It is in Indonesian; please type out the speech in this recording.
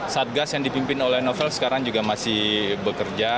satgas yang dipimpin oleh novel sekarang juga masih bekerja